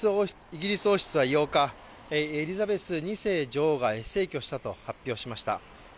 イギリス王室は８日、エリザベス２世女王が逝去したと発表しました。